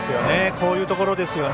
こういうところですよね。